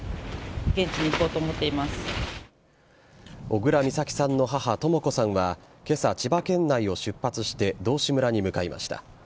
小倉美咲さんの母とも子さんは今朝、千葉県内を出発して道志村に向かいました。